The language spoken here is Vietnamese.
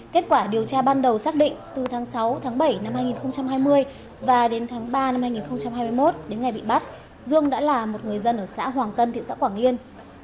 kết quả điều tra ban đầu xác định từ tháng sáu tháng bảy năm hai nghìn hai mươi và đến tháng ba năm hai nghìn hai mươi một đến ngày bị bắt dương đã là một người dân ở xã hoàng tân thị xã quảng yên